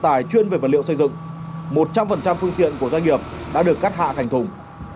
tài chuyên về vật liệu xây dựng một trăm linh phương tiện của doanh nghiệp đã được cắt hạ thành thùng